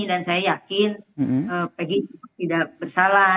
dan saya yakin pegi tidak bersalah